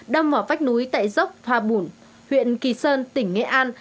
đâm vào vách núi tại dốc thoa bùn huyện kỳ sơn tỉnh nghệ an